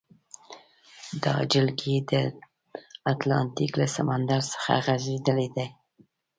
دا جلګې د اتلانتیک له سمندر څخه غزیدلې دي.